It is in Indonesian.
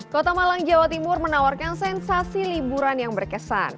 kota malang jawa timur menawarkan sensasi liburan yang berkesan